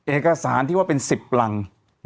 เอกสารที่ว่าเป็น๑๐รัง